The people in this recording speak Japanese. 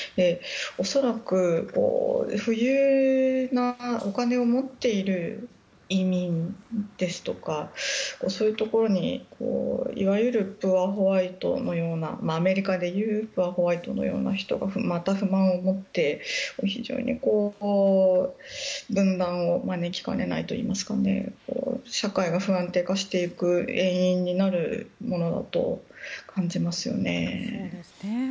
恐らく、富裕なお金を持っている移民ですとかそういうところに、いわゆるプアホワイトというようなアメリカで言うプアホワイトのような人がまた不満を持って非常に分断を招きかねないといいますか社会が不安定化していく遠因になるものだと感じますよね。